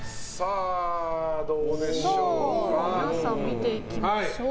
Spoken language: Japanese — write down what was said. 皆さん、見ていきましょう。